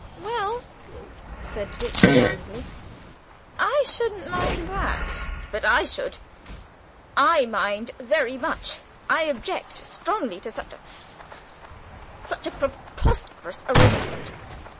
"Well," said Dick blandly, "I shouldn't mind that." "But I should I mind very much. I object strongly to such a such a preposterous arrangement.